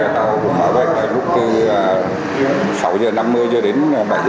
tàu bắt bắt lúc sáu h năm mươi đến bảy h ba mươi